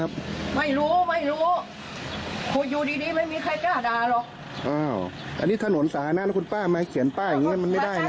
อันนี้ถนนสาธารณะคุณป้ามาเขียนป้ายอย่างเงี้มันไม่ได้นะ